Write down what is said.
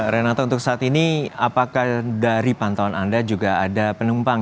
renata untuk saat ini apakah dari pantauan anda juga ada penumpang